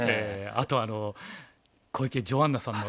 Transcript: あと小池ジョアンナさんの歌。